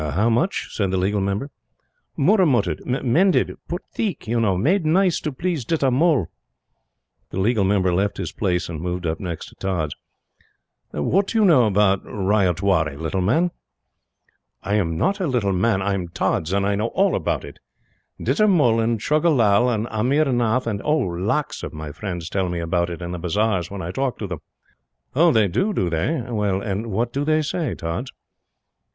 "How much?" said the Legal Member. "Murramutted mended. Put theek, you know made nice to please Ditta Mull!" The Legal Member left his place and moved up next to Tods. "What do you know about Ryotwari, little man?" he said. "I'm not a little man, I'm Tods, and I know ALL about it. Ditta Mull, and Choga Lall, and Amir Nath, and oh, lakhs of my friends tell me about it in the bazars when I talk to them." "Oh, they do do they? What do they say, Tods?"